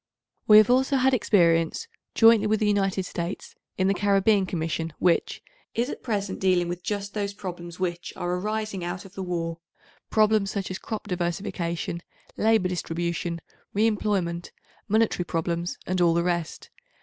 We have also had experience, jointly with the United States, in the Caribbean Commission which, is at present dealing with just those problems which, are aris 869 ing out of the war—problems such as crop diversification, labour distribution, re employment, monetary problems and all the rest.